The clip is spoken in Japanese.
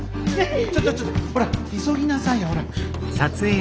ちょっとちょっとほら急ぎなさいよほら。